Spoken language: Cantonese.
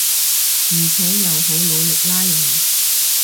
而且又好努力拉人